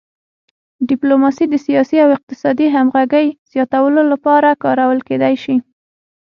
ډیپلوماسي د سیاسي او اقتصادي همغږۍ زیاتولو لپاره کارول کیدی شي